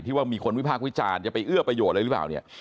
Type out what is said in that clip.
ว่ามีคนวิพากษ์วิจารณ์จะไปเอื้อประโยชน์อะไรหรือเปล่าเนี่ย